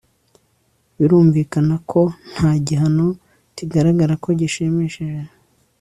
birumvikana ko nta gihano kigaragara ko gishimishije